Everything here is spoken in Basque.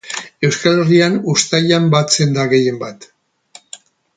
Euskal Herrian uztailean batzen da gehien bat.